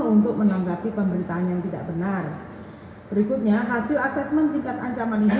untuk menanggapi pemberitaan yang tidak benar berikutnya hasil asesmen tingkat ancaman ini